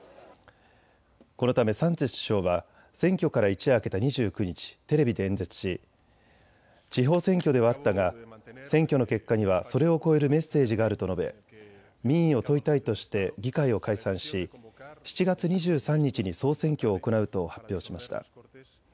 このためサンチェス首相は選挙から一夜明けた２９日、テレビで演説し地方選挙ではあったが選挙の結果にはそれを超えるメッセージがあると述べ民意を問いたいとして議会を解散し７月２３日に総選挙を行うと発表しました。